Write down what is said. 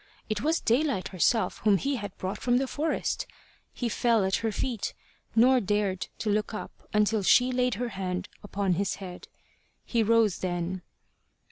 It was Daylight herself whom he had brought from the forest! He fell at her feet, nor dared to look up until she laid her hand upon his head. He rose then.